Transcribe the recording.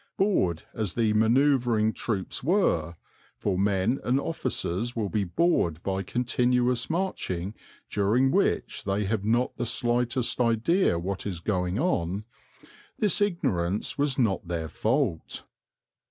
Bored as the manoeuvring troops were for men and officers will be bored by continuous marching during which they have not the slightest idea what is going on this ignorance was not their fault.